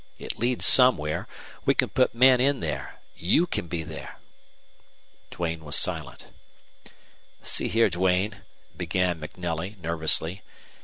It leads somewhere. We can put men in there. You can be there." Duane was silent. "See here, Duane," began MacNelly, nervously.